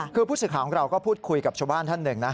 คือผู้ศึกษาของเราก็พูดคุยกับชาวบ้านท่านหนึ่ง